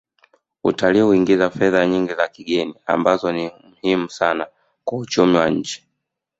Utalii huingiza fedha nyingi za kigeni ambazo ni muhimu sana kwa uchumi wa nchi